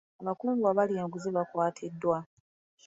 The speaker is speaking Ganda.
Abakungu abalya enguzi baakwatiddwa.